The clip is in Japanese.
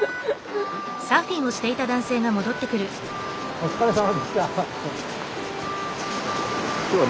お疲れさまでした。